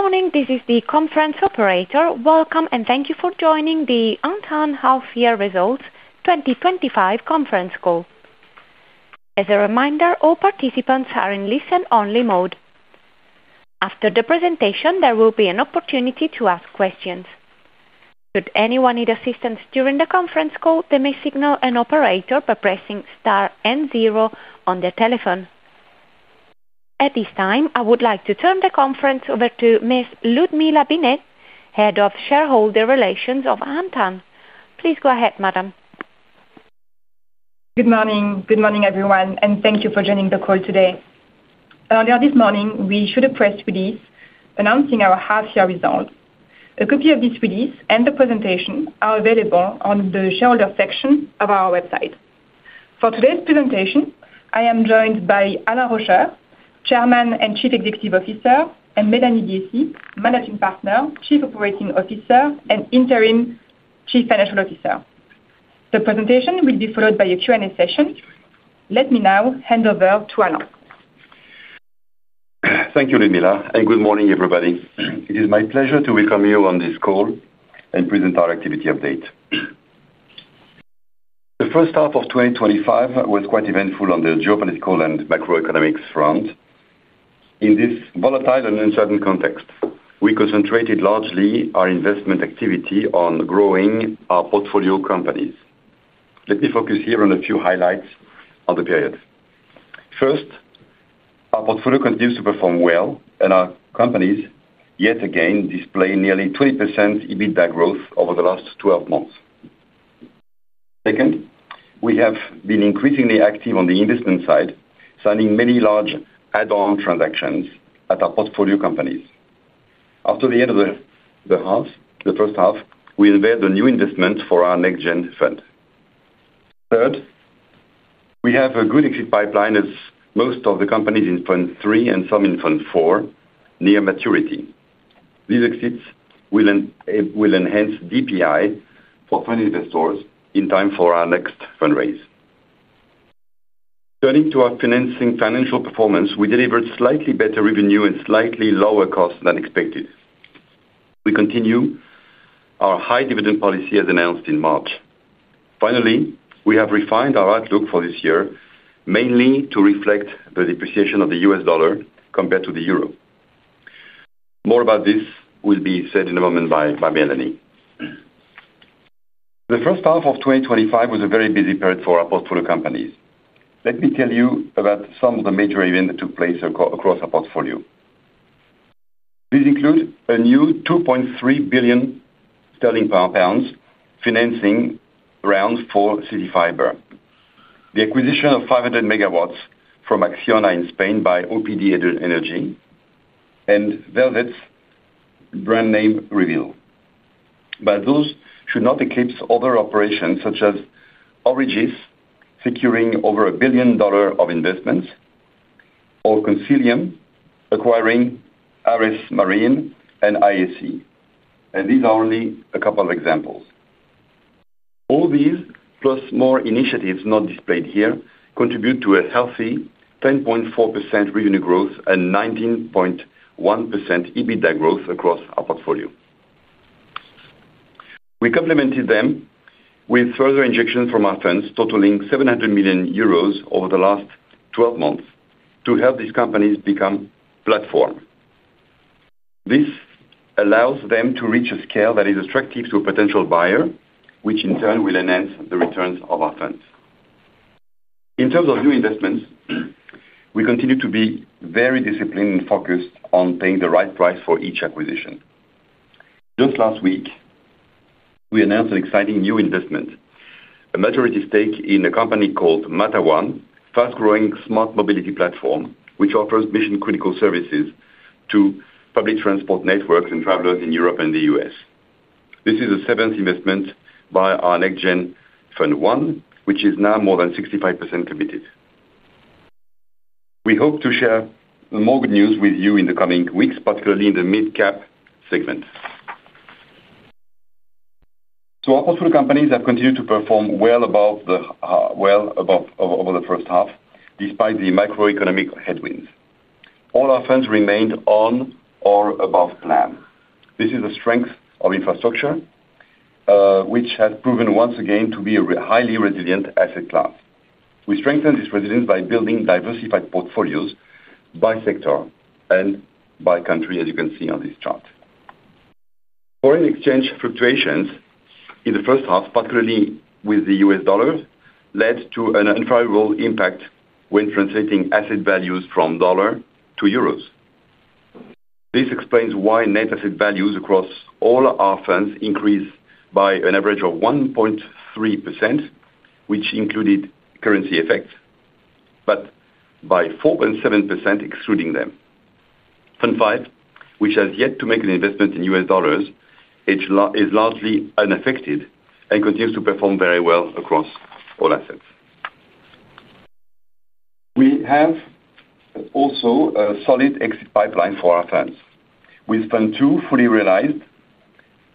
Good morning. This is the conference operator. Welcome and thank you for joining the Antin Half-Year Results 2025 Conference Call. As a reminder, all participants are in listen-only mode. After the presentation, there will be an opportunity to ask questions. Should anyone need assistance during the conference call, they may signal an operator by pressing star and zero on their telephone. At this time, I would like to turn the conference over to Ms. Ludmilla Binet, Head of Shareholder Relations of Antin. Please go ahead, Madam. Good morning. Good morning, everyone, and thank you for joining the call today. Earlier this morning, we issued a press release announcing our half-year results. A copy of this release and the presentation are available on the shareholder section of our website. For today's presentation, I am joined by Alain Rauscher, Chairman and Chief Executive Officer, and Mélanie Biessy, Managing Partner, Chief Operating Officer, and Interim Chief Financial Officer. The presentation will be followed by a Q&A session. Let me now hand over to Alain. Thank you, Ludmilla, and good morning, everybody. It is my pleasure to welcome you on this call and present our activity update. The first half of 2025 was quite eventful on the geopolitical and macroeconomics front. In this volatile and uncertain context, we concentrated largely our investment activity on growing our portfolio companies. Let me focus here on a few highlights of the period. First, our portfolio continues to perform well, and our companies yet again display nearly 20% EBITDA growth over the last 12 months. Second, we have been increasingly active on the investment side, signing many large add-on transactions at our portfolio companies. After the end of the first half, we unveiled a new investment for our NextGen fund. Third, we have a good exit pipeline, as most of the companies in Fund III and some in Fund IV near maturity. These exits will enhance DPI for fund investors in time for our next fundraise. Turning to our financial performance, we delivered slightly better revenue and slightly lower costs than expected. We continue our high dividend policy as announced in March. Finally, we have refined our outlook for this year, mainly to reflect the depreciation of the U.S. dollar compared to the euro. More about this will be said in a moment by Mélanie. The first half of 2025 was a very busy period for our portfolio companies. Let me tell you about some of the major events that took place across our portfolio. These include a new 2.3 billion sterling financing round for CityFibre, the acquisition of 500 MW from Acciona in Spain by Opdnergy, and Velvet, brand name Reveal. Those should not eclipse other operations such as Origis, securing over $1 billion of investments, or Consilium, acquiring Ares Marine and ISC. These are only a couple of examples. All these, plus more initiatives not displayed here, contribute to a healthy 10.4% revenue growth and 19.1% EBITDA growth across our portfolio. We complemented them with further injections from our funds, totaling 700 million euros over the last 12 months to help these companies become a platform. This allows them to reach a scale that is attractive to a potential buyer, which in turn will enhance the returns of our funds. In terms of new investments, we continue to be very disciplined and focused on paying the right price for each acquisition. Just last week, we announced an exciting new investment, a maturity stake in a company called Matawan, a fast-growing smart mobility platform, which offers mission-critical services to public transport networks and travelers in Europe and the U.S. This is the seventh investment by our NextGen Fund I, which is now more than 65% committed. We hope to share more good news with you in the coming weeks, particularly in the mid-cap segment. Our portfolio companies have continued to perform well above the first half, despite the macroeconomic headwinds. All our funds remained on or above plan. This is the strength of infrastructure, which has proven once again to be a highly resilient asset class. We strengthened this resilience by building diversified portfolios by sector and by country, as you can see on this chart. Foreign exchange fluctuations in the first half, particularly with the U.S. dollar, led to an unfathomable impact when translating asset values from dollar to euros. This explains why net asset values across all our funds increased by an average of 1.3%, which included currency effects, but by 4.7% excluding them. Fund V, which has yet to make an investment in U.S. dollars, is largely unaffected and continues to perform very well across all assets. We also have a solid exit pipeline for our funds. With Fund II fully realized,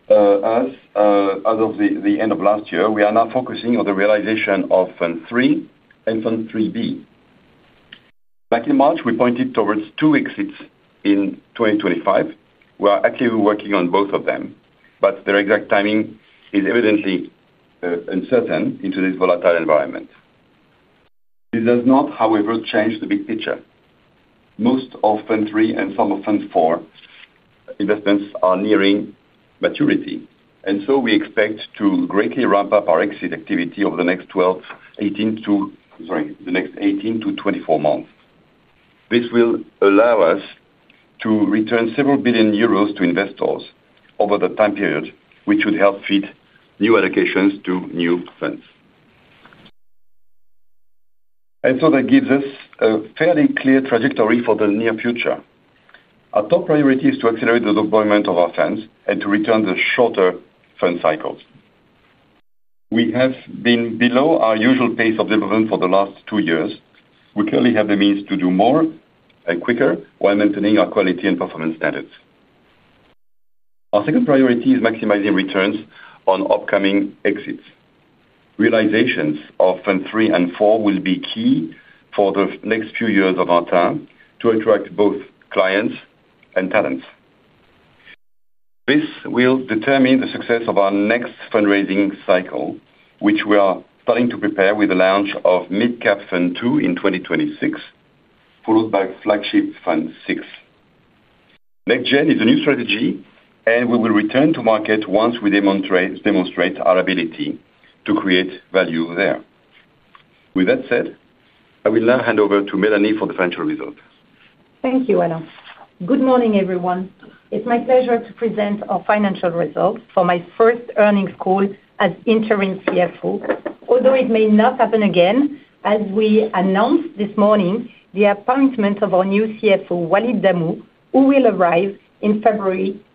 as of the end of last year, we are now focusing on the realization of Fund III and Fund III-B. Back in March, we pointed towards two exits in 2025. We are actively working on both of them, but their exact timing is evidently uncertain in today's volatile environment. This does not, however, change the big picture. Most of Fund III and some of Fund IV investments are nearing maturity, and we expect to greatly ramp up our exit activity over the next 18-24 months. This will allow us to return several billion euros to investors over the time period, which would help feed new allocations to new funds. That gives us a fairly clear trajectory for the near future. Our top priority is to accelerate the deployment of our funds and to return to shorter fund cycles. We have been below our usual pace of development for the last two years. We clearly have the means to do more and quicker while maintaining our quality and performance standards. Our second priority is maximizing returns on upcoming exits. Realizations of Fund III and IV will be key for the next few years of our time to attract both clients and talents. This will determine the success of our next fundraising cycle, which we are starting to prepare with the launch of Mid Cap Fund II in 2026, followed by Flagship Fund VI. NextGen is a new strategy, and we will return to market once we demonstrate our ability to create value there. With that said, I will now hand over to Mélanie for the financial results. Thank you, Alain. Good morning, everyone. It's my pleasure to present our financial results for my first earnings call as Interim CFO. Although it may not happen again, as we announced this morning, the appointment of our new CFO, Walid Damou, will arrive in February 2026.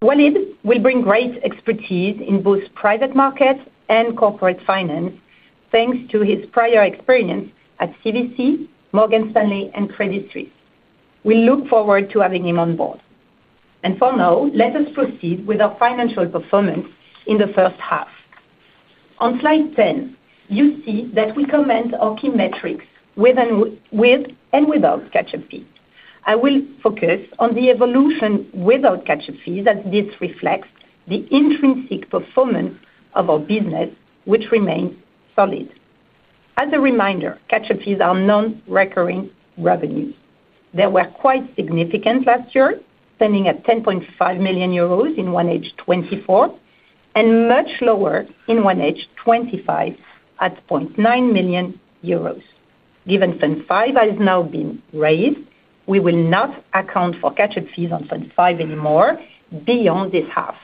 Walid will bring great expertise in both private markets and corporate finance, thanks to his prior experience at CBC, Morgan Stanley, and Credit Suisse. We look forward to having him on board. For now, let us proceed with our financial performance in the first half. On slide 10, you see that we comment on key metrics with and without catch-up fees. I will focus on the evolution without catch-up fees, as this reflects the intrinsic performance of our business, which remains solid. As a reminder, catch-up fees are non-recurring revenues. They were quite significant last year, standing at 10.5 million euros in 1H 2024, and much lower in 1H 2025 at 0.9 million euros. Given Fund V has now been raised, we will not account for catch-up fees on Fund V anymore beyond this half.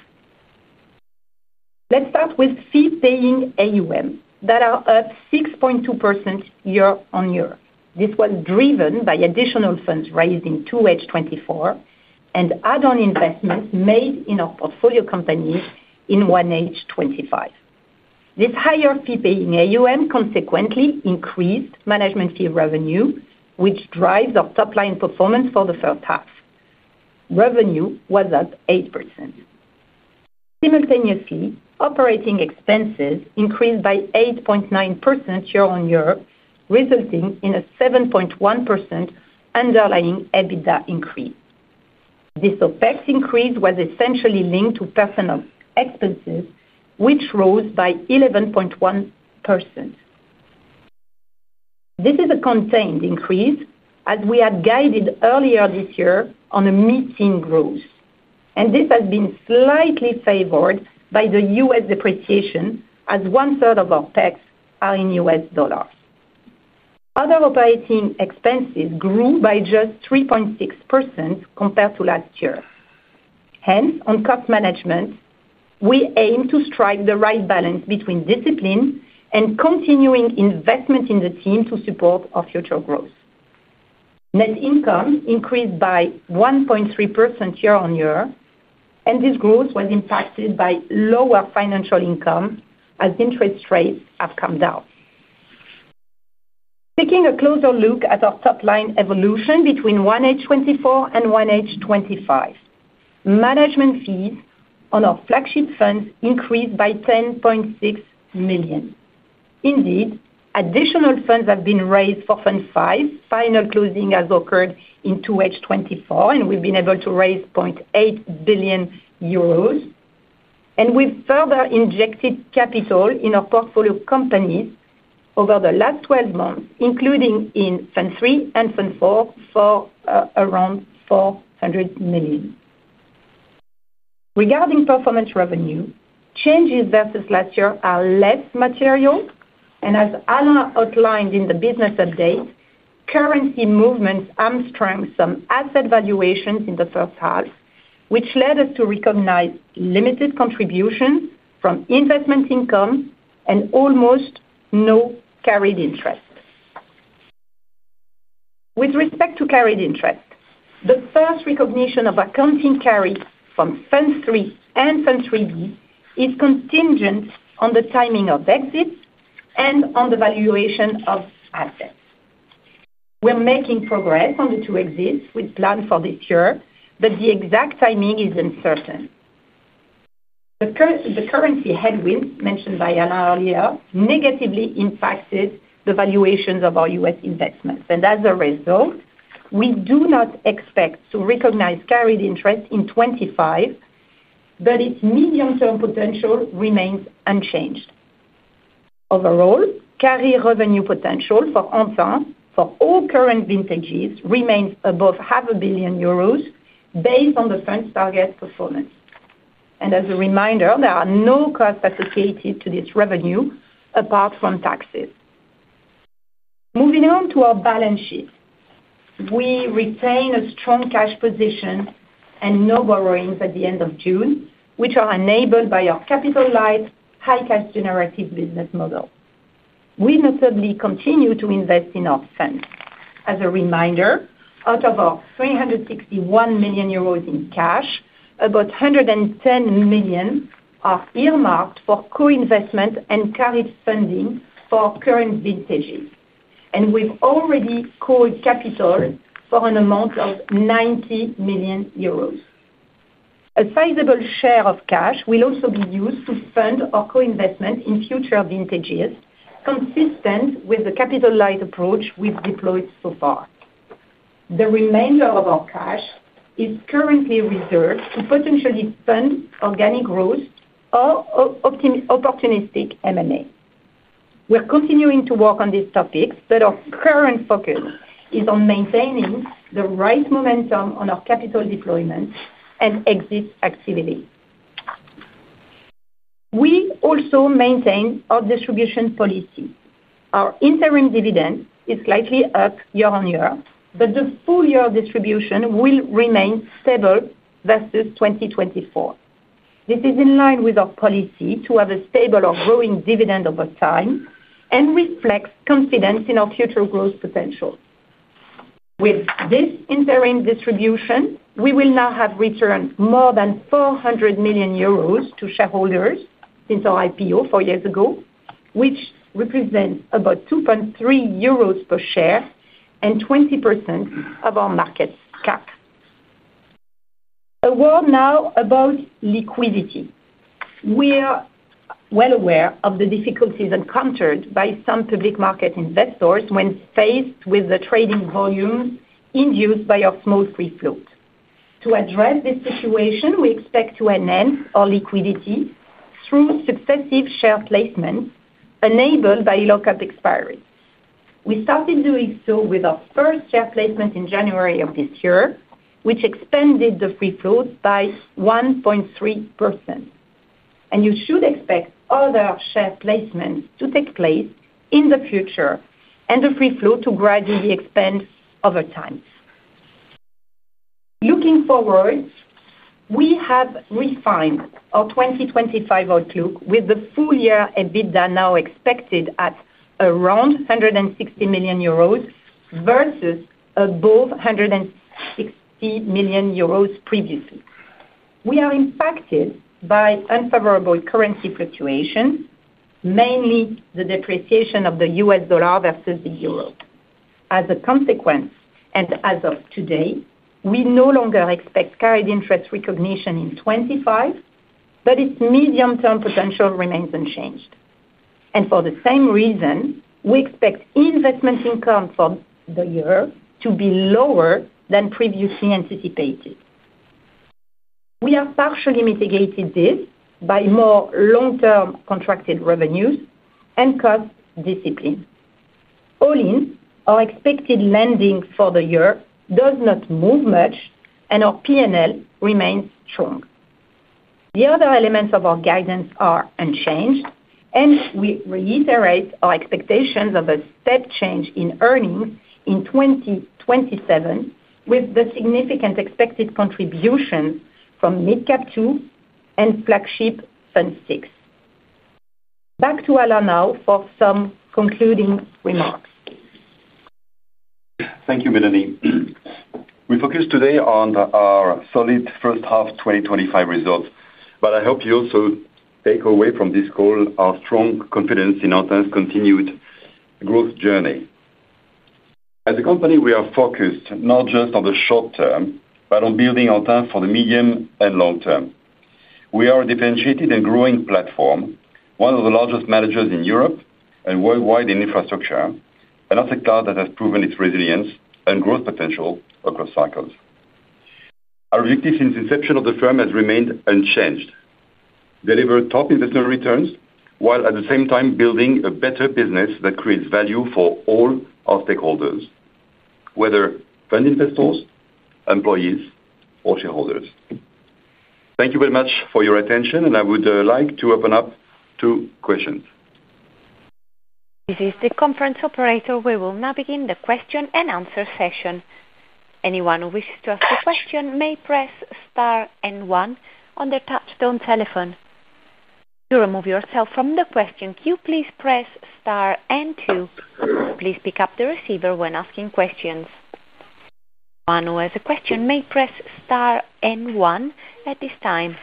Let's start with fee-paying AUM that are up 6.2% year-on-year. This was driven by additional funds raised in 2H 2024 and add-on investments made in our portfolio companies in 1H 2025. This higher fee-paying AUM consequently increased management fee revenue, which drives our top-line performance for the first half. Revenue was up 8%. Simultaneously, operating expenses increased by 8.9% year-on-year, resulting in a 7.1% underlying EBITDA increase. This increase was essentially linked to personnel expenses, which rose by 11.1%. This is a contained increase, as we had guided earlier this year on a mid-teens growth. This has been slightly favored by the U.S. dollar depreciation, as 1/3 of our OpEx are in U.S. dollars. Other operating expenses grew by just 3.6% compared to last year. Hence, on cost management, we aim to strike the right balance between discipline and continuing investment in the team to support our future growth. Net income increased by 1.3% year-on-year, and this growth was impacted by lower financial income as interest rates have come down. Taking a closer look at our top-line evolution between 1H 2024 and 1H 2025, management fees on our flagship funds increased by 10.6 million. Indeed, additional funds have been raised for Fund V, final closing has occurred in 2H 2024, and we've been able to raise 0.8 billion euros. We have further injected capital in our portfolio companies over the last 12 months, including in Fund III and Fund IV for around 400 million. Regarding performance revenue, changes versus last year are less material. As Alain outlined in the business update, currency movements hamstrung some asset valuations in the first half, which led us to recognize limited contributions from investment income and almost no carried interest. With respect to carried interest, the first recognition of accounting carry from Fund III and Fund III-B is contingent on the timing of exits and on the valuation of assets. We are making progress on the two exits with plans for this year, but the exact timing is uncertain. The currency headwind mentioned by Alain earlier negatively impacts the valuations of our U.S. investments. As a result, we do not expect to recognize carried interest in 2025, but its medium-term potential remains unchanged. Overall, carry revenue potential for Antin for all current vintages remains above 0.5 billion euros based on the funds' target performance. As a reminder, there are no costs associated with this revenue apart from taxes. Moving on to our balance sheet, we retain a strong cash position and no borrowings at the end of June, which are enabled by our capital-light, high-cash generative business model. We have not only continued to invest in our funds. As a reminder, out of our 361 million euros in cash, about 110 million are earmarked for co-investment and carried funding for current vintages. We have already called capital for an amount of €90 million. A sizable share of cash will also be used to fund our co-investment in future vintages, consistent with the capital-light approach we have deployed so far. The remainder of our cash is currently reserved to potentially fund organic growth or opportunistic M&A. We are continuing to work on these topics, but our current focus is on maintaining the right momentum on our capital deployment and exit activity. We also maintain our distribution policy. Our interim dividend is slightly up year-on-year, but the full-year distribution will remain stable versus 2024. This is in line with our policy to have a stable or growing dividend over time and reflects confidence in our future growth potential. With this interim distribution, we will now have returned more than 400 million euros to shareholders since our IPO four years ago, which represents about 2.3 euros per share and 20% of our market cap. A word now about liquidity. We are well aware of the difficulties encountered by some public market investors when faced with the trading volumes induced by a small free float. To address this situation, we expect to enhance our liquidity through successive share placements enabled by lock-up expiry. We started doing so with our first share placement in January of this year, which expanded the free float by 1.3%. You should expect other share placements to take place in the future and the free float to gradually expand over time. Looking forward, we have refined our 2025 outlook with the full-year EBITDA now expected at around 160 million euros versus above 160 million euros previously. We are impacted by unfavorable currency fluctuations, mainly the depreciation of the U.S. dollar versus the euro. As a consequence, as of today, we no longer expect carried interest recognition in 2025, but its medium-term potential remains unchanged. For the same reason, we expect investment income for the year to be lower than previously anticipated. We have partially mitigated this by more long-term contracted revenues and cost discipline. All in, our expected landing for the year does not move much, and our P&L remains strong. The other elements of our guidance are unchanged, and we reiterate our expectations of a step change in earnings in 2027 with the significant expected contributions from Mid Cap Fund II and Flagship Fund VI. Back to Alain now for some concluding remarks. Thank you, Mélanie. We focused today on our solid first half 2025 results, but I hope you also take away from this call our strong confidence in Antin's continued growth journey. As a company, we are focused not just on the short term, but on building Antin for the medium and long-term. We are a differentiated and growing platform, one of the largest managers in Europe and worldwide in infrastructure, an asset class that has proven its resilience and growth potential across cycles. Our objective since the inception of the firm has remained unchanged: deliver top investment returns while at the same time building a better business that creates value for all our stakeholders, whether fund investors, employees, or shareholders. Thank you very much for your attention, and I would like to open up to questions. This is the conference operator. We will now begin the question and answer session. Anyone who wishes to ask a question may press star and one on their touch-tone telephone. To remove yourself from the question queue, please press star and two. Please pick up the receiver when asking questions. Anyone who has a question may press star and one at this time.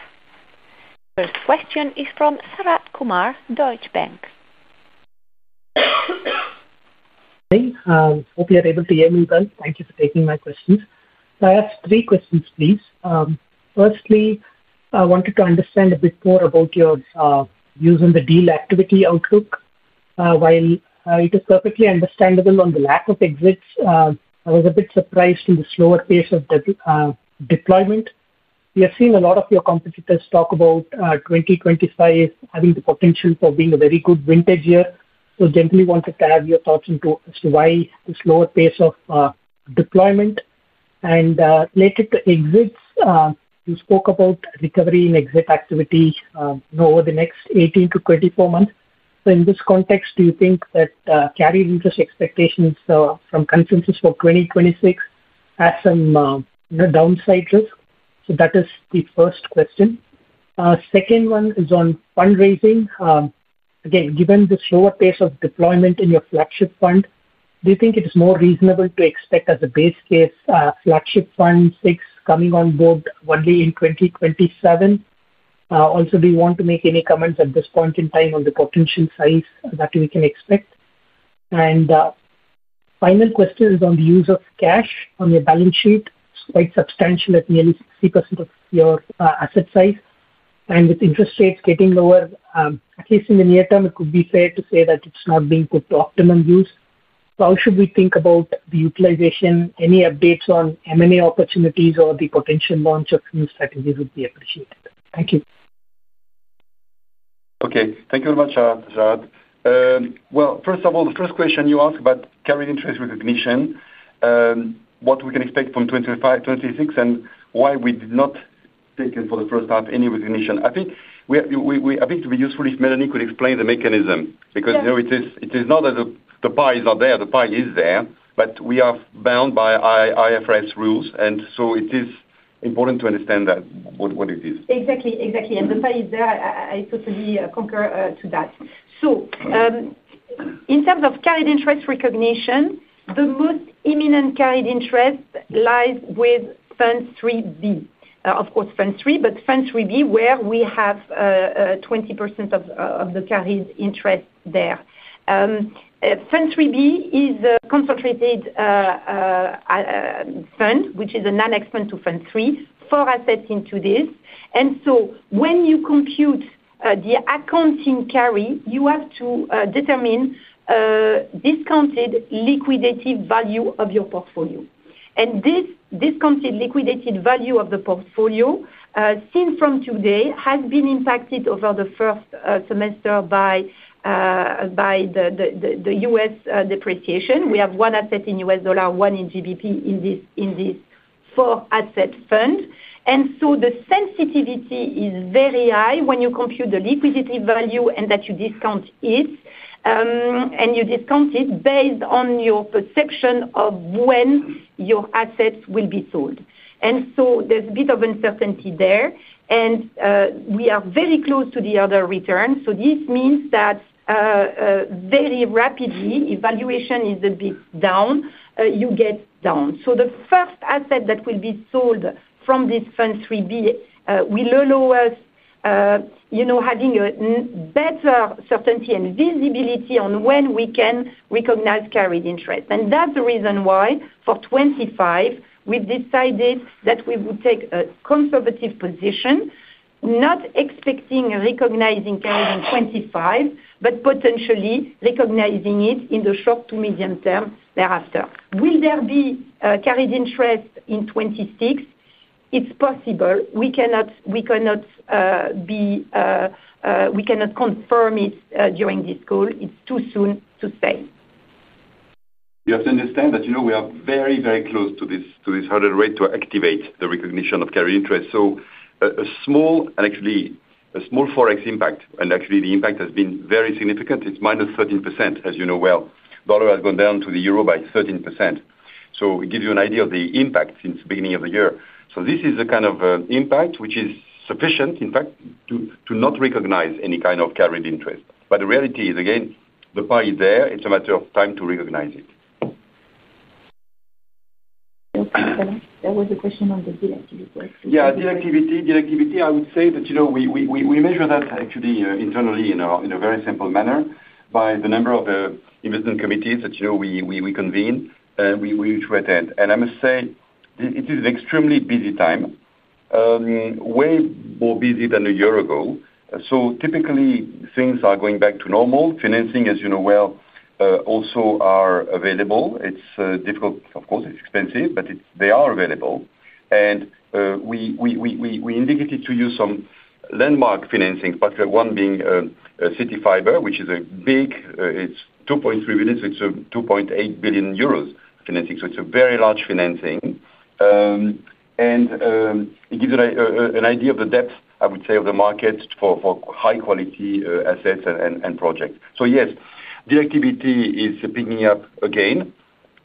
The first question is from Sharath Kumar, Deutsche Bank. I hope you're able to hear me well. Thank you for taking my questions. I have three questions, please. Firstly, I wanted to understand a bit more about your views on the deal activity outlook. While it is perfectly understandable on the lack of exits, I was a bit surprised in the slower pace of the deployment. We have seen a lot of your competitors talk about 2025 having the potential for being a very good vintage year. I gently wanted to have your thoughts as to why the slower pace of deployment. Related to exits, you spoke about recovery in exit activity over the next 18-24 months. In this context, do you think that carry reverse expectations from consensus for 2026 have some downsides? That is the first question. The second one is on fundraising. Again, given the slower pace of deployment in your Flagship Fund, do you think it is more reasonable to expect as a base case Flagship Fund VI coming on board only in 2027? Also, do you want to make any comments at this point in time on the potential size that we can expect? The final question is on the use of cash on your balance sheet. It's quite substantial at nearly 60% of your asset size. With interest rates getting lower, at least in the near term, it would be fair to say that it's not being put to optimum use. How should we think about the utilization? Any updates on M&A opportunities or the potential launch of new strategies would be appreciated. Thank you. Okay. Thank you very much, Sharath. First of all, the first question you asked about carried interest recognition, what we can expect from 2025 to 2026, and why we did not take in for the first half any recognition. I think it would be useful if Mélanie could explain the mechanism because it is not as if the pie is not there. The pie is there, but we are bound by IFRS rules, and so it is important to understand what it is. Exactly. Exactly. The pie is there. I totally concur to that. In terms of carried interest recognition, the most imminent carried interest lies with Fund III-B. Of course, Fund III, but Fund III-B, where we have 20% of the carried interest there. Fund III-B is a concentrated fund, which is a non-expensive Fund III, four assets in two days. When you compute the accounting carry, you have to determine a discounted liquidated value of your portfolio. This discounted liquidated value of the portfolio, seen from today, has been impacted over the first semester by the U.S. depreciation. We have one asset in U.S. dollar, one in GBP in this four-asset fund. The sensitivity is very high when you compute the liquidity value and discount it. You discount it based on your perception of when your assets will be sold. There is a bit of uncertainty there. We are very close to the other return. This means that very rapidly, if valuation is a bit down, you get down. The first asset that will be sold from this Fund III-B will allow us, you know, having a better certainty and visibility on when we can recognize carried interest. That's the reason why for 2025, we decided that we would take a conservative position, not expecting recognizing carries in 2025, but potentially recognizing it in the short to medium term thereafter. Will there be carried interest in 2026? It's possible. We cannot confirm it during this call. It's too soon to say. You have to understand that we are very, very close to this hurdle rate to activate the recognition of carried interest. A small, and actually a small FX impact, and actually the impact has been very significant. It's -13%, as you know well. The dollar has gone down to the euro by 13%. It gives you an idea of the impact since the beginning of the year. This is the kind of impact which is sufficient, in fact, to not recognize any kind of carried interest. The reality is, again, the pie is there. It's a matter of time to recognize it. I think that was a question on the deal activity, correct? Yeah, deal activity. Deal activity, I would say that we measure that actually internally in a very simple manner by the number of investment committees that we convene and we attend. I must say, it is an extremely busy time, way more busy than a year ago. Typically, things are going back to normal. Financing, as you know well, also is available. It's difficult, of course, it's expensive, but they are available. We indicated to you some landmark financing, particularly one being CityFibre, which is a big, it's 2.3 billion, so it's 2.8 billion euros financing. It's a very large financing, and it gives an idea of the depth, I would say, of the market for high-quality assets and projects. Yes, deal activity is picking up again.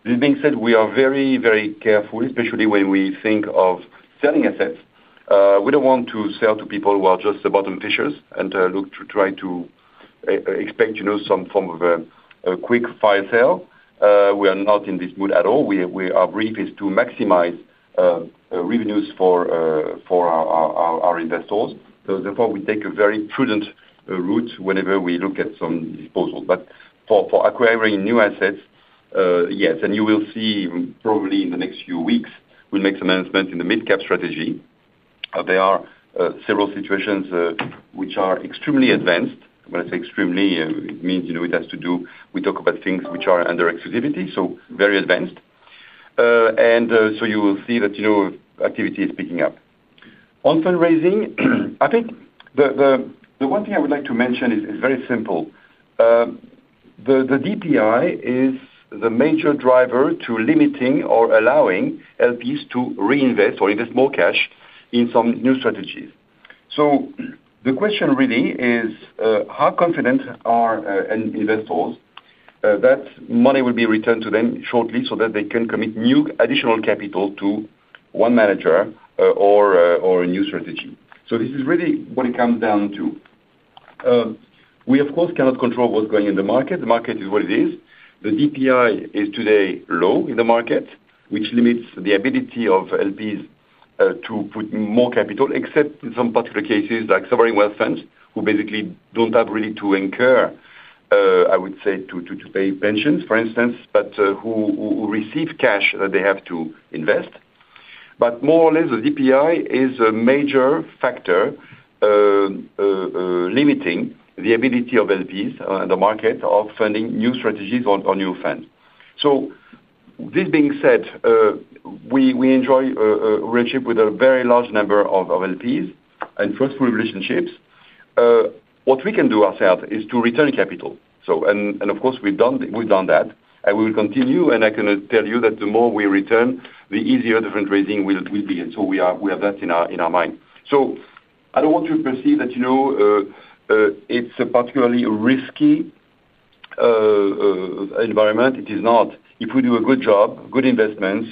With that being said, we are very, very careful, especially when we think of selling assets. We don't want to sell to people who are just the bottom fishers and look to try to expect some form of a quick fire sale. We are not in this mood at all. Our brief is to maximize revenues for our investors. Therefore, we take a very prudent route whenever we look at some disposal. For acquiring new assets, yes, and you will see probably in the next few weeks, we'll make some announcements in the mid-cap strategy. There are several situations which are extremely advanced. When I say extremely, it means we talk about things which are under exclusivity, so very advanced. You will see that activity is picking up. On fundraising, I think the one thing I would like to mention is very simple. The DPI is the major driver to limiting or allowing LPs to reinvest or invest more cash in some new strategies. The question really is, how confident are investors that money will be returned to them shortly so that they can commit new additional capital to one manager or a new strategy? This is really what it comes down to. We, of course, cannot control what's going in the market. The market is what it is. The DPI is today low in the market, which limits the ability of LPs to put more capital, except in some particular cases like sovereign wealth funds who basically don't have really to incur, I would say, to pay pensions, for instance, but who receive cash that they have to invest. More or less, the DPI is a major factor limiting the ability of LPs in the market of funding new strategies or new funds. We enjoy a relationship with a very large number of LPs and trustful relationships. What we can do ourselves is to return capital. Of course, we've done that, and we will continue. I can tell you that the more we return, the easier the fundraising will be. We have that in our mind. I don't want you to perceive that it's a particularly risky environment. It is not. If we do a good job, good investments,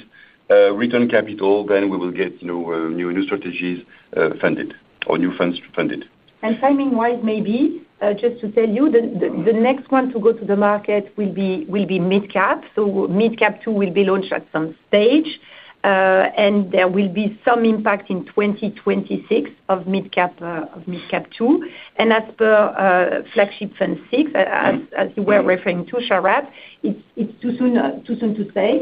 return capital, then we will get new strategies funded or new funds funded. Timing-wise, maybe just to tell you, the next one to go to the market will be mid-cap. Mid Cap Fund II will be launched at some stage, and there will be some impact in 2026 of Mid Cap Fund II. As per Flagship Fund VI, as you were referring to, Sharath, it's too soon to say.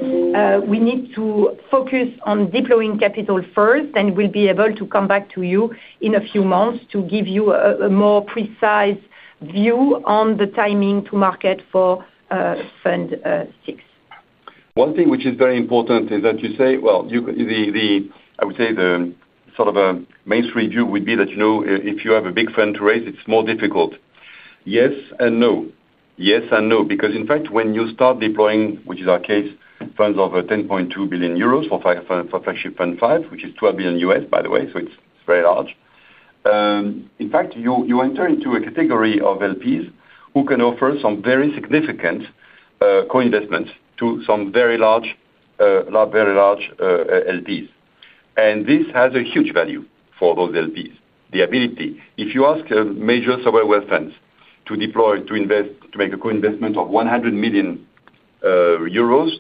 We need to focus on deploying capital first, and we'll be able to come back to you in a few months to give you a more precise view on the timing to market for Flagship Fund VI. One thing which is very important is that you say, I would say the sort of a mainstream view would be that, you know, if you have a big fund to raise, it's more difficult. Yes and no. Yes and no. Because, in fact, when you start deploying, which is our case, funds of 10.2 billion euros for Flagship Fund V, which is $12 billion, by the way, so it's very large. In fact, you enter into a category of LPs who can offer some very significant co-investments to some very large, very large LPs. This has a huge value for those LPs. The ability, if you ask a major sovereign wealth fund to deploy, to invest, to make a co-investment of 100 million euros,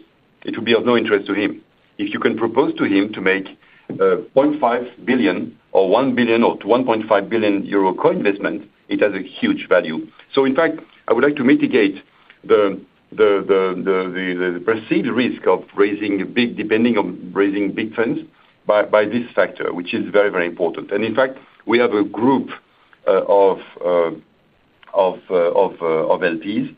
it would be of no interest to him. If you can propose to him to make 0.5 billion or 1 billion or 1.5 billion euro co-investment, it has a huge value. I would like to mitigate the perceived risk of raising a big, depending on raising big funds, by this factor, which is very, very important. In fact, we have a group of LPs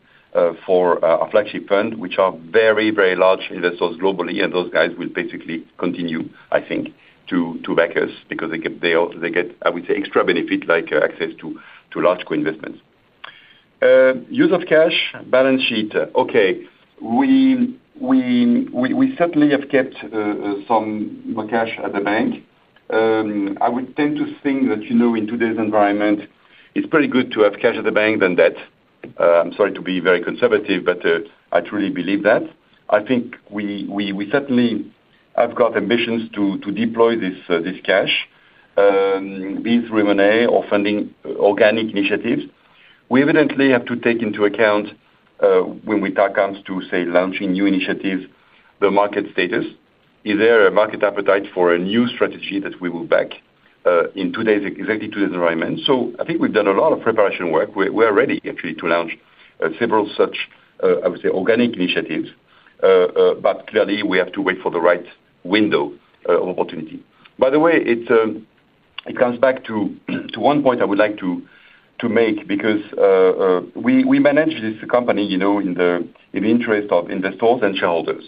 for a Flagship Fund, which are very, very large investors globally. Those guys will basically continue, I think, to back us because they get, I would say, extra benefits like access to large co-investments. Use of cash, balance sheet. We certainly have kept some more cash at the bank. I would tend to think that, you know, in today's environment, it's pretty good to have cash at the bank than debt. I'm sorry to be very conservative, but I truly believe that. I think we certainly have got ambitions to deploy this cash, these revenues, or funding organic initiatives. We evidently have to take into account when it comes to, say, launching new initiatives, the market status. Is there a market appetite for a new strategy that we will back in today's, exactly today's environment? I think we've done a lot of preparation work. We're ready, actually, to launch several such, I would say, organic initiatives. Clearly, we have to wait for the right window of opportunity. By the way, it comes back to one point I would like to make because we manage this company, you know, in the interest of investors and shareholders.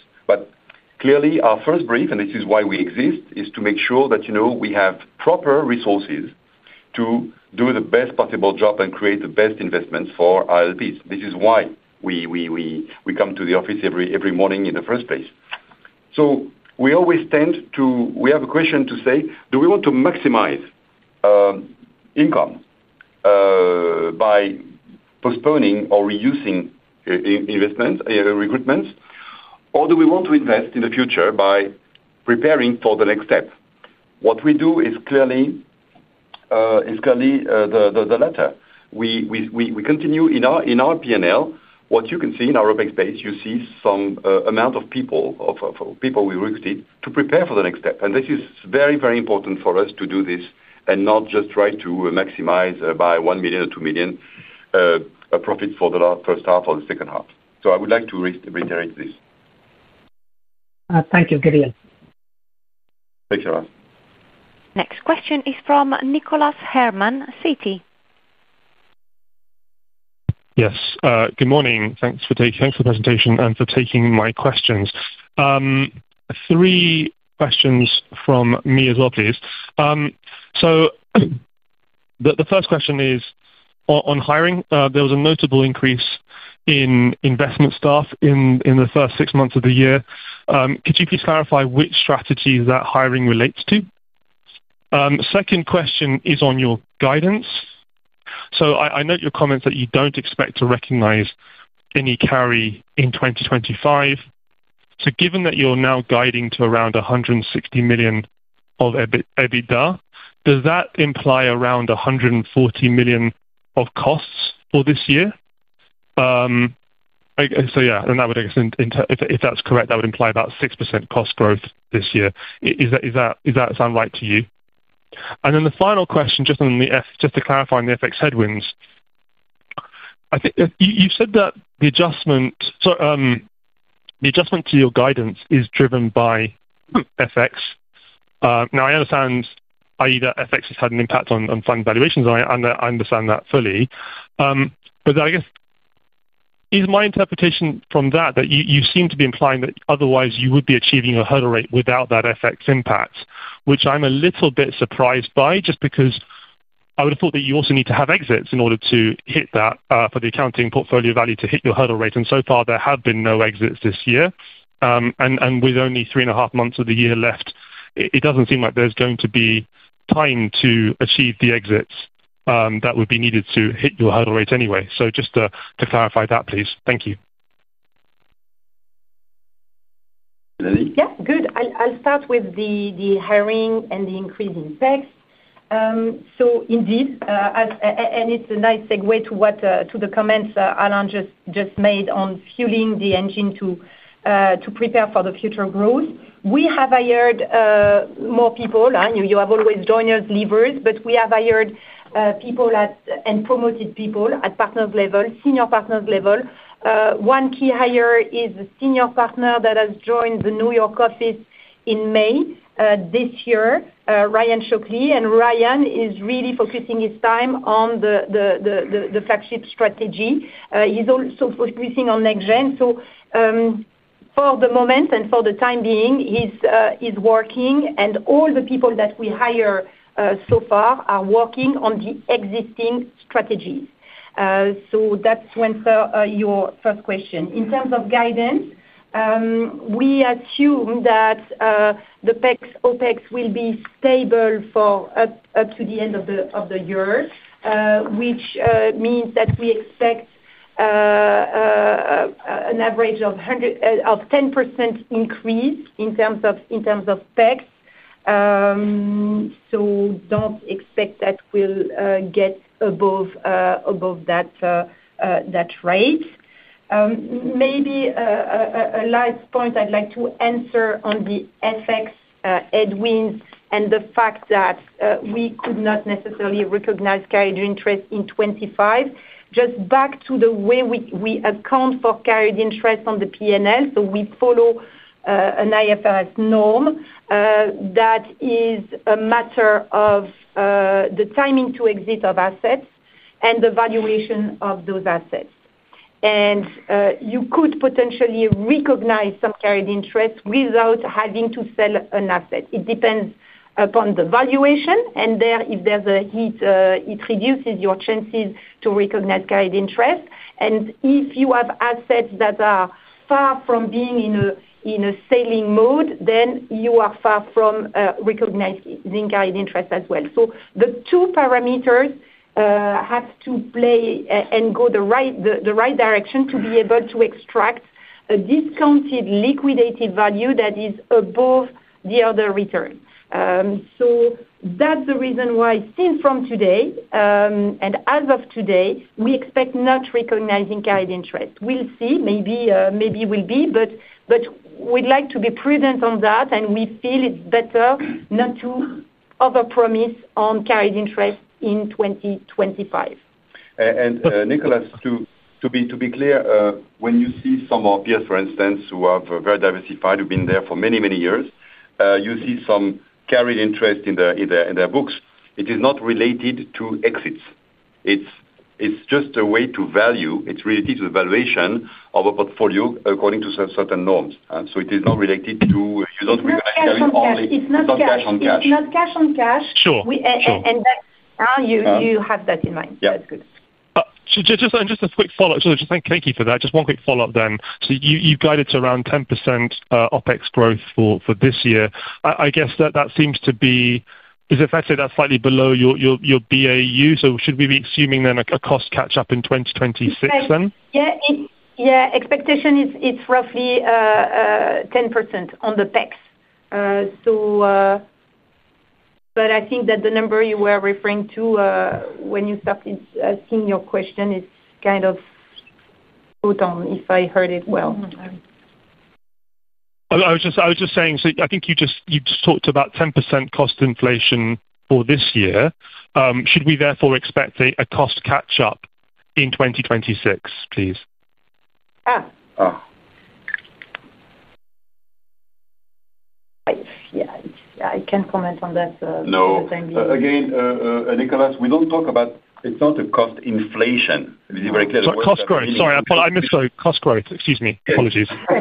Clearly, our first brief, and this is why we exist, is to make sure that, you know, we have proper resources to do the best possible job and create the best investments for our LPs. This is why we come to the office every morning in the first place. We always tend to, we have a question to say, do we want to maximize income by postponing or reusing investments and recruitments, or do we want to invest in the future by preparing for the next step? What we do is clearly the latter. We continue in our P&L. What you can see in our open space, you see some amount of people, of people we recruited to prepare for the next step. This is very, very important for us to do this and not just try to maximize by $1 million or $2 million profits for the first half or the second half. I would like to reiterate this. Thank you, Gideon. Thanks, Sharath. Next question is from Nicholas Herman, Citi. Yes. Good morning. Thanks for taking the presentation and for taking my questions. Three questions from me as well, please. The first question is on hiring. There was a notable increase in investment staff in the first six months of the year. Could you please clarify which strategy that hiring relates to? The second question is on your guidance. I note your comments that you don't expect to recognize any carry in 2025. Given that you're now guiding to around 160 million of EBITDA, does that imply around 140 million of costs for this year? If that's correct, that would imply about 6% cost growth this year. Does that sound right to you? The final question, just to clarify on the FX headwinds, I think you said that the adjustment to your guidance is driven by FX. I understand, i.e., that FX has had an impact on fund valuations, and I understand that fully. I guess, is my interpretation from that that you seem to be implying that otherwise you would be achieving a hurdle rate without that FX impact, which I'm a little bit surprised by, just because I would have thought that you also need to have exits in order to hit that for the accounting portfolio value to hit your hurdle rate. So far, there have been no exits this year, and with only three and a half months of the year left, it doesn't seem like there's going to be time to achieve the exits that would be needed to hit your hurdle rate anyway. Just to clarify that, please. Thank you. Yeah. Good. I'll start with the hiring and the increasing effects. Indeed, and it's a nice segue to the comments Alain just made on fueling the engine to prepare for the future growth. We have hired more people. You have always joiners, leavers, but we have hired people and promoted people at partners' level, senior partners' level. One key hire is a senior partner that has joined the New York office in May this year, Ryan Shockley. Ryan is really focusing his time on the flagship strategy. He's also focusing on NextGen. For the moment and for the time being, he's working, and all the people that we hire so far are working on the existing strategies. That's your first question. In terms of guidance, we assume that the OpEx will be stable up to the end of the year, which means that we expect an average of 10% increase in terms of OpEx. Don't expect that we'll get above that rate. Maybe a last point I'd like to answer on the FX headwinds and the fact that we could not necessarily recognize carried interest in 2025. Just back to the way we account for carried interest on the P&L. We follow an IFRS norm that is a matter of the timing to exit of assets and the valuation of those assets. You could potentially recognize some carried interest without having to sell an asset. It depends upon the valuation. If there's a hit, it reduces your chances to recognize carried interest. If you have assets that are far from being in a selling mode, then you are far from recognizing carried interest as well. The two parameters have to play and go the right direction to be able to extract a discounted liquidated value that is above the other return. That's the reason why, since from today, and as of today, we expect not recognizing carried interest. We'll see. Maybe we will be, but we'd like to be prudent on that. We feel it's better not to overpromise on carried interest in 2025. Nicholas, to be clear, when you see some of our peers, for instance, who have very diversified, who've been there for many, many years, you see some carried interest in their books. It is not related to exits. It's just a way to value. It's related to the valuation of a portfolio according to certain norms. It is not related to, you know, cash on cash. It's not cash on cash. Sure. You have that in mind. That's good. Just a quick follow-up. Thank you for that. Just one quick follow-up then. You guided to around 10% OpEx growth for this year. I guess that seems to be, because if I say that's slightly below your BAU, should we be assuming then a cost catch-up in 2026? Yeah, expectation, it's roughly 10% on the CapEx. I think that the number you were referring to when you started asking your question is kind of spot on if I heard it well. Sorry. I think you just talked about 10% cost inflation for this year. Should we therefore expect a cost catch-up in 2026, please? Yeah, I can comment on that. Again, Nicholas, we don't talk about, it's not a cost inflation. It is very clear. Sorry, I missed a cost growth. Excuse me. Apologies. We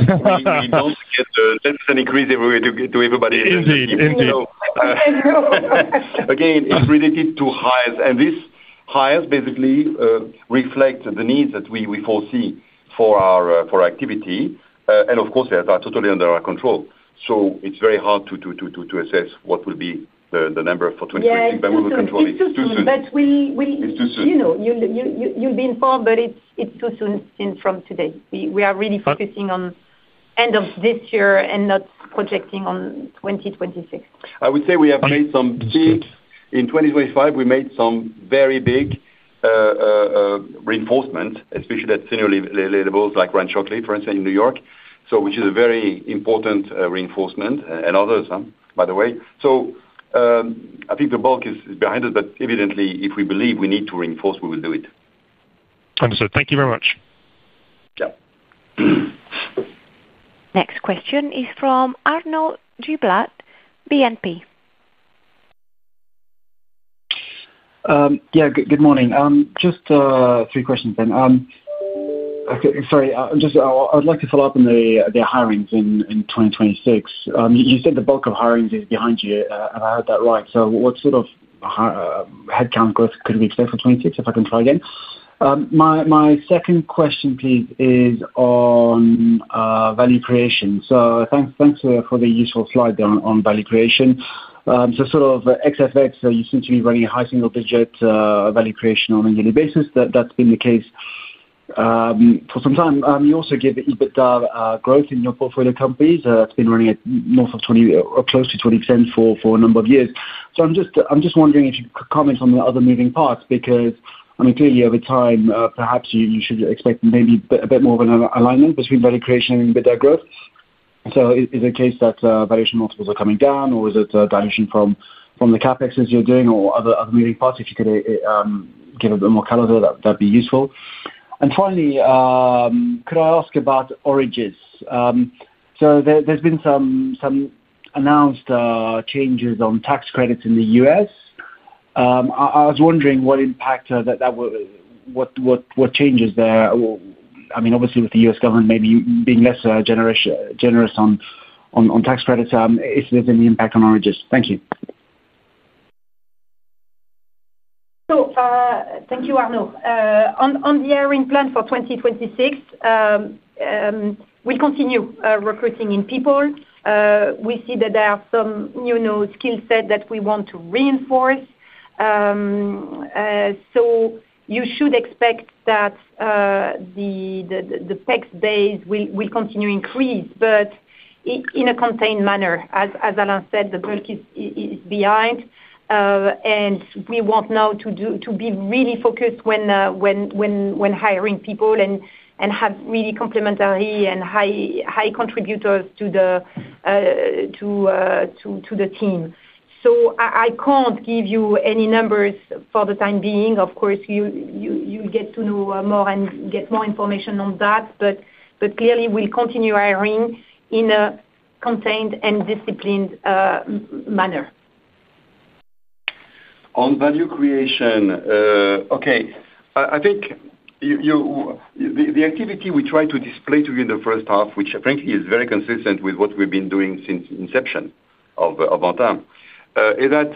don't get 10% increase everywhere to everybody. Indeed. It's related to hires. These hires basically reflect the needs that we foresee for our activity. They are totally under our control. It's very hard to assess what will be the number for 2025. It's too soon. You'll be informed, but it's too soon from today. We are really focusing on the end of this year and not projecting on 2026. I would say we have made some, in 2025, we made some very big reinforcements, especially at senior levels like Ryan Shockley, for instance, in New York, which is a very important reinforcement and others, by the way. I think the bulk is behind us. Evidently, if we believe we need to reinforce, we will do it. Understood. Thank you very much. Next question is from Arnaud Giblat, BNP. Yeah. Good morning. Just three questions then. Sorry. I'd like to follow up on the hirings in 2026. You said the bulk of hirings is behind you. Have I heard that right? What sort of headcount growth could we expect for 2026 if I can try again? My second question, please, is on value creation. Thanks for the useful slide there on value creation. Ex aesthetics, you seem to be running a high single-digit value creation on a yearly basis. That's been the case for some time. You also give EBITDA growth in your portfolio companies. It's been running at north of 20% or close to 20% for a number of years. I'm just wondering if you could comment on the other moving parts because, I mean, clearly, over time, perhaps you should expect maybe a bit more of an alignment between value creation and EBITDA growth. Is it the case that valuation multiples are coming down, or is it a dilution from the CapEx as you're doing, or other moving parts? If you could give a bit more color, that'd be useful. Finally, could I ask about Origis? There's been some announced changes on tax credits in the U.S. I was wondering what impact that would, what changes there, I mean, obviously, with the U.S. government maybe being less generous on tax credits, if there's any impact on Origis. Thank you. Thank you, Arnaud. On the hiring plan for 2026, we'll continue recruiting in people. We see that there are some new skill sets that we want to reinforce. You should expect that the PEX base will continue to increase, but in a contained manner. As Alain said, the bulk is behind. We want now to be really focused when hiring people and have really complementary and high contributors to the team. I can't give you any numbers for the time being. Of course, you get to know more and get more information on that. Clearly, we'll continue hiring in a contained and disciplined manner. On value creation, I think the activity we try to display to you in the first half, which I think is very consistent with what we've been doing since the inception of our time, is that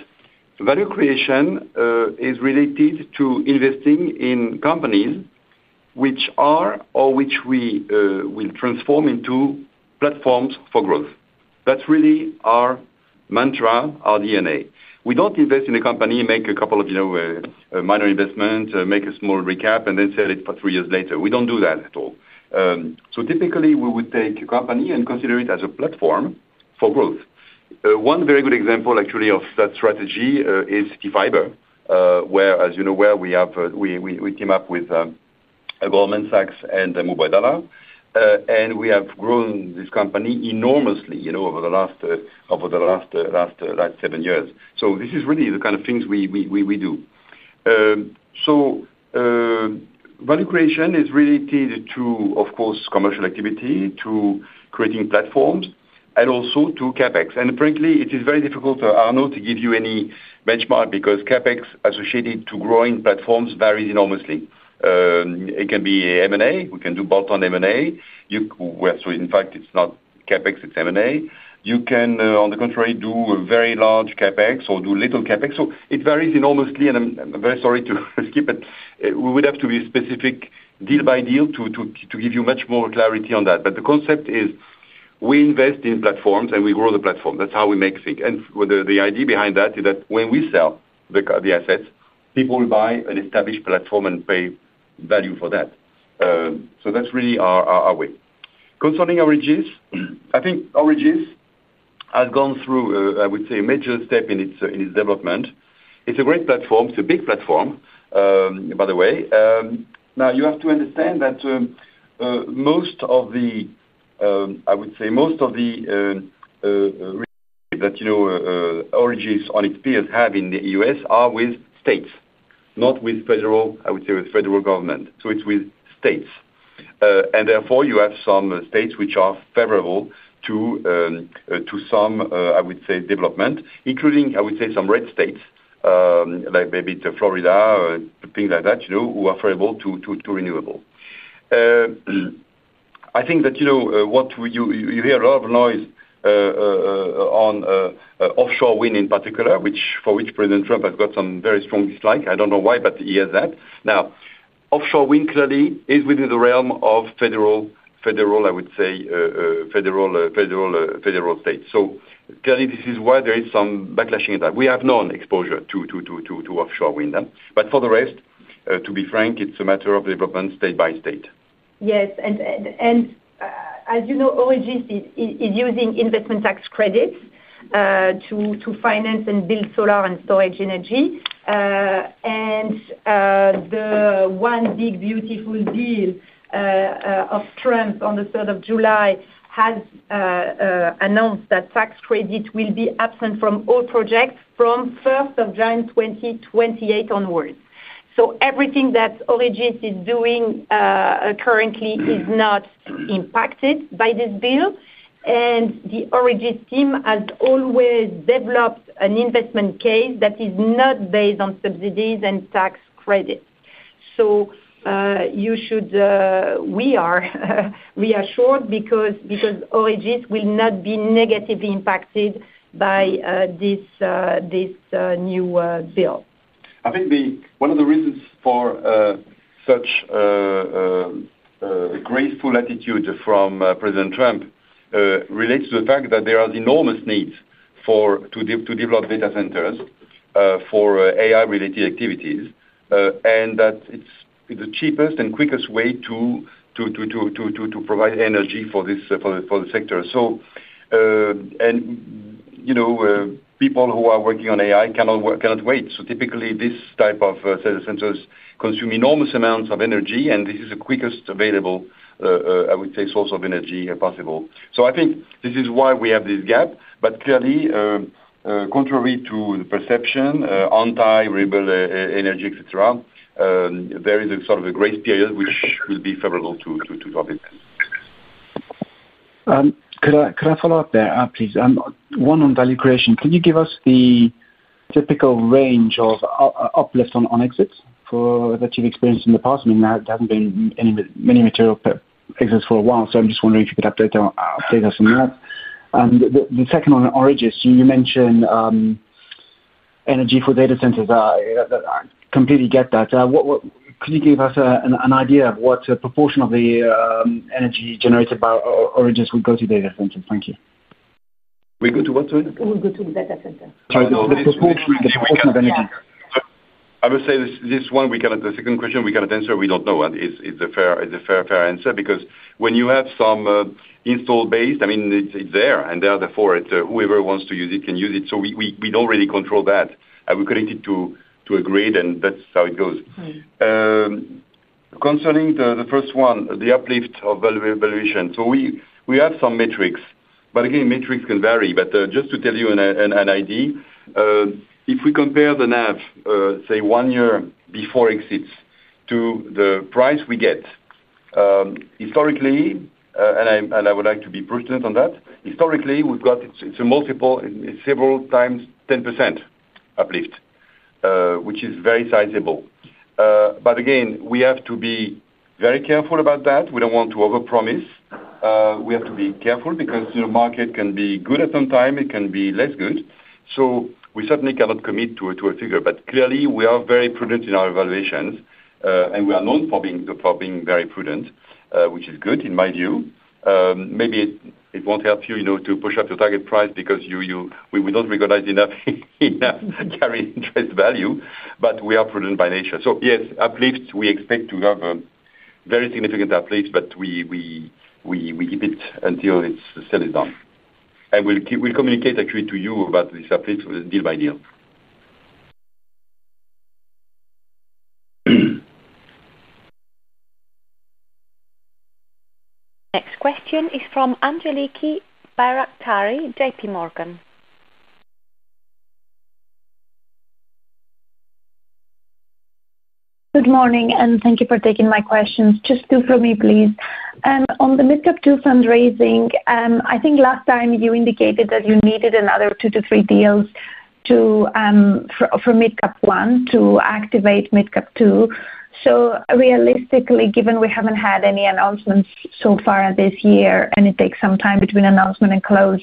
value creation is related to investing in companies which are or which we will transform into platforms for growth. That's really our mantra, our DNA. We don't invest in a company, make a couple of minor investments, make a small recap, and then sell it three years later. We don't do that at all. Typically, we would take a company and consider it as a platform for growth. One very good example, actually, of that strategy is CityFibre, where, as you know, we team up with Goldman Sachs and Mubadala. We have grown this company enormously over the last seven years. This is really the kind of things we do. Value creation is related to, of course, commercial activity, to creating platforms, and also to CapEx. Apparently, it is very difficult, Arnaud, to give you any benchmark because CapEx associated to growing platforms varies enormously. It can be M&A. We can do bolt-on M&A. In fact, it's not CapEx, it's M&A. You can, on the contrary, do a very large CapEx or do little CapEx. It varies enormously, and I'm very sorry to skip it. We would have to be specific deal by deal to give you much more clarity on that. The concept is we invest in platforms and we grow the platform. That's how we make things. The idea behind that is that when we sell the assets, people will buy an established platform and pay value for that. That's really our way. Concerning Origis, I think Origis has gone through, I would say, a major step in its development. It's a great platform. It's a big platform, by the way. Now, you have to understand that most of the, I would say, most of the Origis on its field have in the U.S. are with states, not with federal government. So it's with states. Therefore, you have some states which are favorable to some, I would say, development, including, I would say, some red states, like maybe Florida, things like that, who are favorable to renewable. I think that what you hear, a lot of noise on offshore wind in particular, for which President Trump has got some very strong dislike. I don't know why, but he has that. Now, offshore wind clearly is within the realm of federal states. This is why there is some backlashing at that. We have no exposure to offshore wind then. For the rest, to be frank, it's a matter of development state by state. Yes. As you know, Origis is using investment tax credits to finance and build solar and storage energy. The one big bill of Trump on July 3 has announced that tax credit will be absent from all projects from June 1, 2028 onwards. Everything that Origis is doing currently is not impacted by this bill. The Origis team has always developed an investment case that is not based on subsidies and tax credits. You should be reassured because Origis will not be negatively impacted by this new bill. I think one of the reasons for such a graceful attitude from President Trump relates to the fact that there are enormous needs to develop data centers for AI-related activities and that it's the cheapest and quickest way to provide energy for the sector. You know, people who are working on AI cannot wait. Typically, this type of data centers consume enormous amounts of energy, and this is the quickest available, I would say, source of energy possible. I think this is why we have this gap. Clearly, contrary to the perception, anti-rival energy, etc., there is a sort of a grace period which will be favorable to our business. Could I follow up there, please? One on value creation. Can you give us the typical range of uplift on exits that you've experienced in the past? There haven't been any material exits for a while. I'm just wondering if you could update us on that. The second on Origis, you mentioned energy for data centers. I completely get that. Could you give us an idea of what the proportion of the energy generated by Origis would go to data centers? Thank you. We go to what, sorry? We go to the data center. Sorry, the proportion of energy. I would say this one, we cannot, the second question, we cannot answer. We don't know. It's a fair answer because when you have some installed base, I mean, it's there, and therefore, whoever wants to use it can use it. We don't really control that. We're connected to a grid, and that's how it goes. Concerning the first one, the uplift of valuation, we have some metrics. Again, metrics can vary, but just to tell you an idea, if we compare the NAV, say, one year before exits, to the price we get, historically, and I would like to be pushed on that, historically, we've got, it's a multiple, several times 10% uplift, which is very sizable. We have to be very careful about that. We don't want to overpromise. We have to be careful because the market can be good at some time. It can be less good. We certainly cannot commit to a figure. Clearly, we are very prudent in our evaluations, and we are known for being very prudent, which is good in my view. Maybe it won't help you to push up your target price because we don't recognize enough carried interest value, but we are prudent by nature. Yes, uplifts, we expect to have a very significant uplift, but we keep it until the sale is done. We'll communicate, actually, to you about this uplift deal by deal. Next question is from Angeliki Bairaktari, JPMorgan. Good morning, and thank you for taking my questions. Just two for me, please. On the Mid Cap Fund II fundraising, I think last time you indicated that you needed another two to three deals for Mid Cap Fund I to activate Mid Cap Fund II. Realistically, given we haven't had any announcements so far this year, and it takes some time between announcement and close,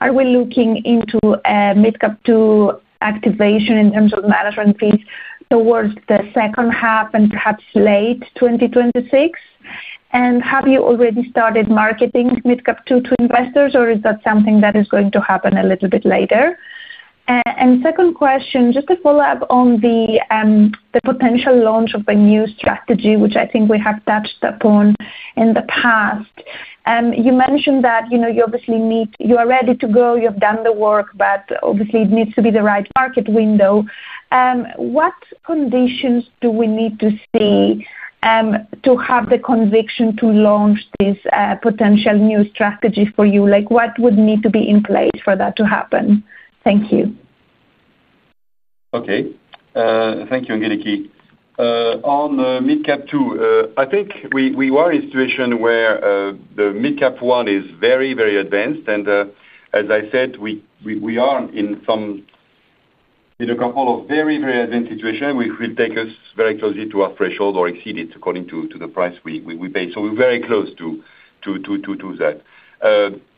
are we looking into a Mid Cap Fund II activation in terms of management fees towards the second half and perhaps late 2026? Have you already started marketing Mid Cap Fund II to investors, or is that something that is going to happen a little bit later? Second question, just to follow up on the potential launch of the new strategy, which I think we have touched upon in the past. You mentioned that you obviously need, you are ready to go. You have done the work, but obviously, it needs to be the right market window. What conditions do we need to see to have the conviction to launch this potential new strategy for you? What would need to be in place for that to happen? Thank you. Okay. Thank you, Angeliki. On Mid Cap Fund II, I think we are in a situation where Mid Cap Fund I is very, very advanced. As I said, we are in a couple of very, very advanced situations which will take us very closely to our threshold or exceed it according to the price we pay. We are very close to that.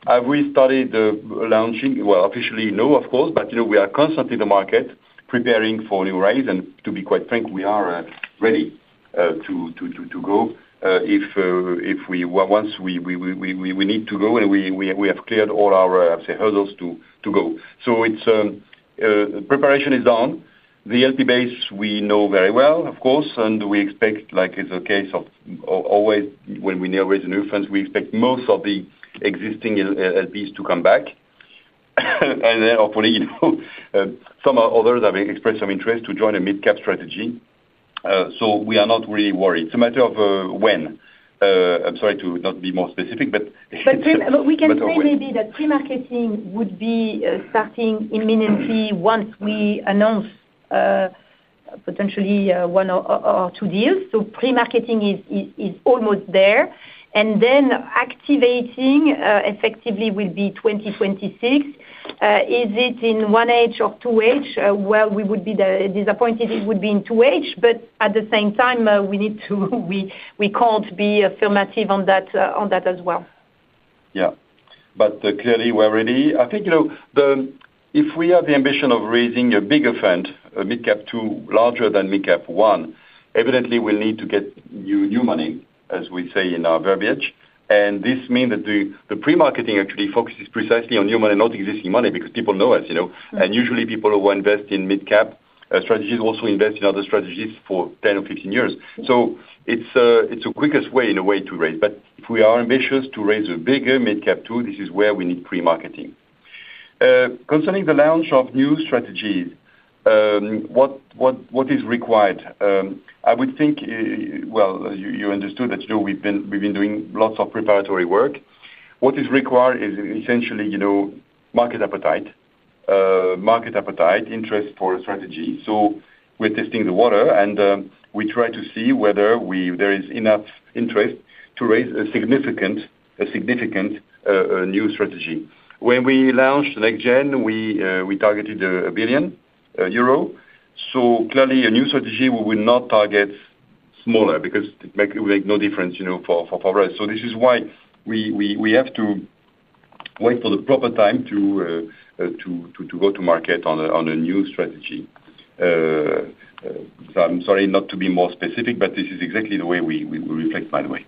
Have we started launching? Officially, no, of course, but you know we are constantly in the market preparing for new rides. To be quite frank, we are ready to go. If we want, we need to go, and we have cleared all our, I'd say, hurdles to go. Preparation is done. The LP base, we know very well, of course, and we expect, like it's a case of always when we need new funds, we expect most of the existing LPs to come back. Hopefully, you know, some others have expressed some interest to join a mid-cap strategy. We are not really worried. It's a matter of when. I'm sorry to not be more specific, but. We can say maybe that pre-marketing would be starting imminently once we announce potentially one or two deals. Pre-marketing is almost there, and then activating effectively will be 2026. Is it in 1H or 2H? We would be disappointed if it would be in 2H, but at the same time, we can't be affirmative on that as well. Yeah. Clearly, we're ready. I think, you know, if we have the ambition of raising a bigger fund, a Mid Cap Fund II larger than Mid Cap Fund I, evidently, we'll need to get new money, as we say in our verbiage. This means that the pre-marketing actually focuses precisely on new money, not existing money, because people know us, you know. Usually, people who invest in mid-cap strategies also invest in other strategies for 10 or 15 years. It's the quickest way, in a way, to raise. If we are ambitious to raise a bigger Mid Cap Fund II, this is where we need pre-marketing. Concerning the launch of new strategies, what is required? I would think, as you understood, that we've been doing lots of preparatory work. What is required is essentially, you know, market appetite, market appetite, interest for a strategy. We're testing the water, and we try to see whether there is enough interest to raise a significant new strategy. When we launched NextGen, we targeted 1 billion euro. Clearly, a new strategy, we would not target smaller because it would make no difference, you know, for us. This is why we have to wait for the proper time to go to market on a new strategy. I'm sorry not to be more specific, but this is exactly the way we reflect, by the way.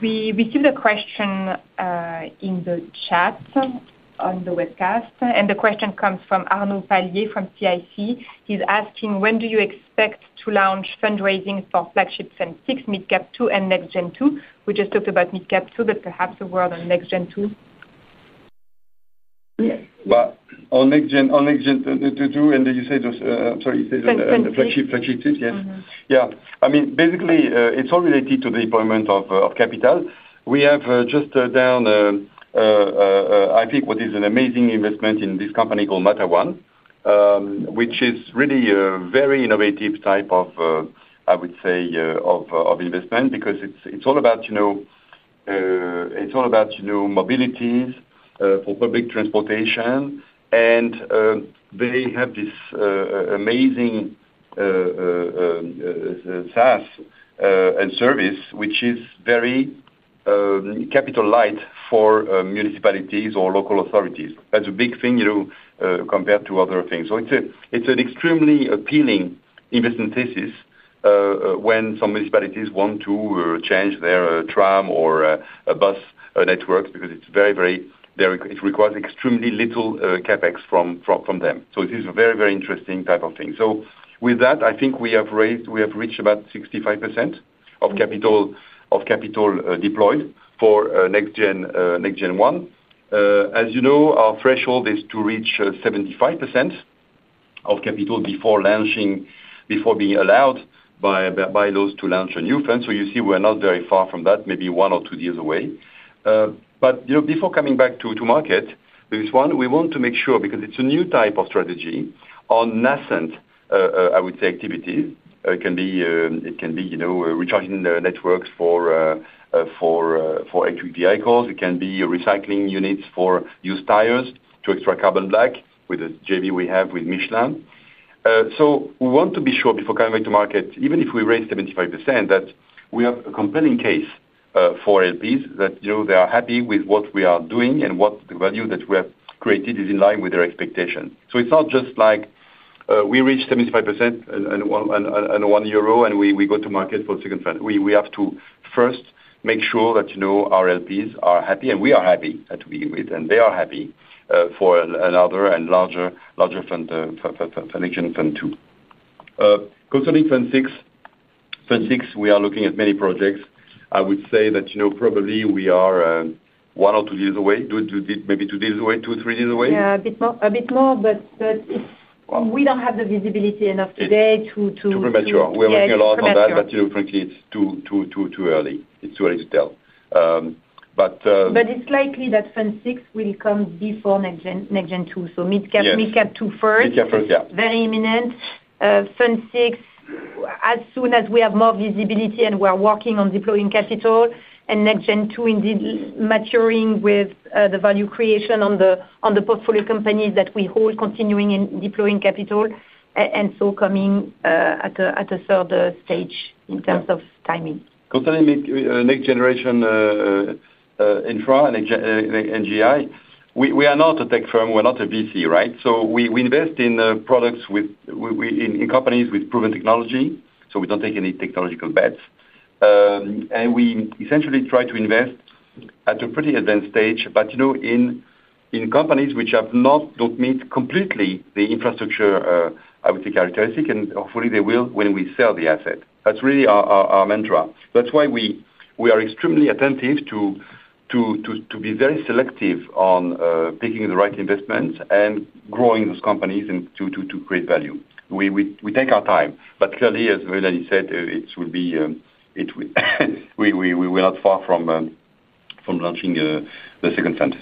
We received a question in the chat on the webcast, and the question comes from Arnaud Pallier from TIC. He's asking, when do you expect to launch fundraising for Flagship Fund VI and Mid Cap Fund II and NextGen Fund II? We just talked about Mid Cap Fund II, but perhaps a word on NextGen Fund II. On NextGen Fund II, and then you say just, I'm sorry, you say just the Flagship, Flagship Fund VI, yes. I mean, basically, it's all related to the deployment of capital. We have just done, I think, what is an amazing investment in this company called MataOne, which is really a very innovative type of, I would say, investment because it's all about, you know, mobilities for public transportation. They have this amazing SaaS and service, which is very capital-light for municipalities or local authorities. That's a big thing, you know, compared to other things. It's an extremely appealing investment thesis when some municipalities want to change their tram or bus networks because it requires extremely little CapEx from them. It is a very, very interesting type of thing. With that, I think we have reached about 65% of capital deployed for NextGen Fund I. As you know, our threshold is to reach 75% of capital before being allowed by those to launch a new fund. You see, we're not very far from that, maybe one or two deals away. Before coming back to market, this one, we want to make sure because it's a new type of strategy on nascent, I would say, activities. It can be recharging networks for electric vehicles. It can be recycling units for used tires to extract carbon black with the JV we have with Michelin. We want to be sure before coming back to market, even if we raise 75%, that we have a compelling case for LPs that they are happy with what we are doing and that the value we have created is in line with their expectation. It's not just like we reach 75% and one euro and we go to market for the second fund. We have to first make sure that our LPs are happy and we are happy at the beginning of it and they are happy for another and larger fund, NextGen Fund II. Concerning Flagship Fund VI, we are looking at many projects. I would say that probably we are one or two deals away, maybe two deals away, two, three deals away. Yeah, a bit more, but we don't have the visibility enough today to. It's premature. We're working a lot on that, but frankly, it's too early to tell. It's likely that Flagship Fund VI will come before NextGen Fund II. Mid Cap Fund II first. Cap first, yeah. Very imminent. Flagship Fund VI, as soon as we have more visibility and we're working on deploying capital, and NextGen Fund II indeed maturing with the value creation on the portfolio companies that we hold, continuing in deploying capital, and so coming at a third stage in terms of timing. Concerning NextGen Fund I and NGI, we are not a tech firm. We're not a VC, right? We invest in products with companies with proven technology. We don't take any technological bets. We essentially try to invest at a pretty advanced stage, in companies which have not met completely the infrastructure, I would say, characteristic, and hopefully, they will when we sell the asset. That's really our mantra. That's why we are extremely attentive to be very selective on picking the right investments and growing those companies to create value. We take our time. Clearly, as Mélanie said, we are not far from launching the second fund.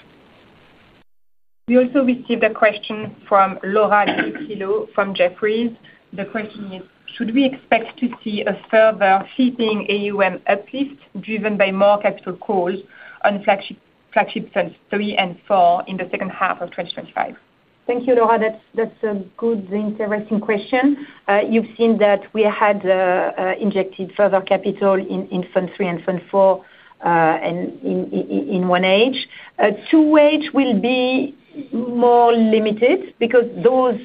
We also received a question from Laura Laura Gris Trillo from Jefferies. The question is, should we expect to see a further flipping AUM uplift driven by more capital calls on Flagship Funds III and IV in the second half of 2025? Thank you, Laura. That's a good, interesting question. You've seen that we had injected further capital in Fund III and Fund IV and in 1H. 2H will be more limited because those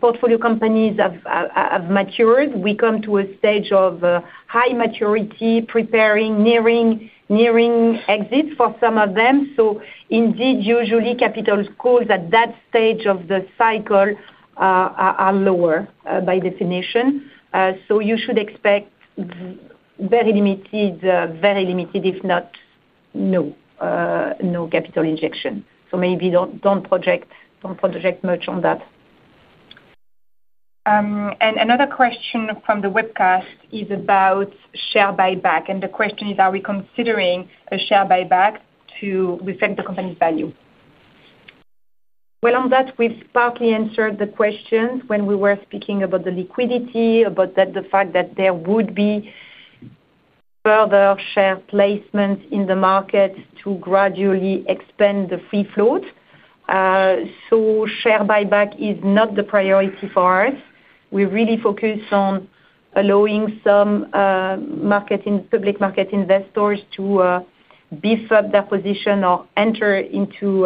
portfolio companies have matured. We come to a stage of high maturity, preparing, nearing exits for some of them. Indeed, usually, capital calls at that stage of the cycle are lower by definition. You should expect very limited, very limited, if not no capital injection. Maybe don't project much on that. Another question from the webcast is about share buyback. The question is, are we considering a share buyback to reflect the company's value? We've partly answered the questions when we were speaking about the liquidity, about the fact that there would be further share placement in the market to gradually expand the free float. Share buyback is not the priority for us. We really focus on allowing some market and public market investors to beef up their position or enter into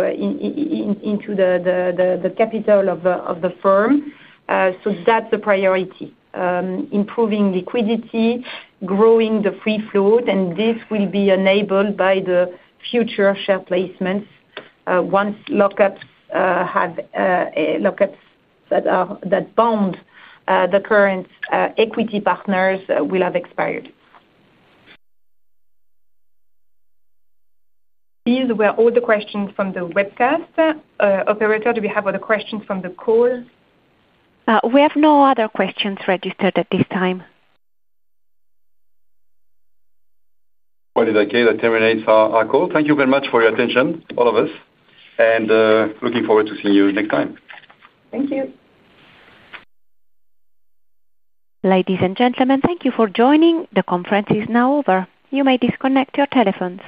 the capital of the firm. That's the priority. Improving liquidity, growing the free float, and this will be enabled by the future share placements once lockups that bond the current equity partners will have expired. These were all the questions from the webcast. Operator, do we have other questions from the call? We have no other questions registered at this time. That terminates our call. Thank you very much for your attention, all of us. Looking forward to seeing you next time. Thank you. Ladies and gentlemen, thank you for joining. The conference is now over. You may disconnect your telephones.